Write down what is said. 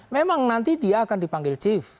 memang nanti dia akan dipanggil chief